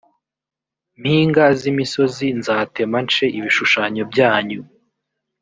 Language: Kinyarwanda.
mpinga z imisozi nzatema nce ibishushanyo byanyu